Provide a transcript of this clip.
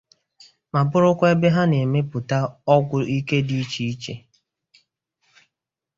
ma bụrụkwa ebe ha na-emepta ọgwụ ike dị iche iche.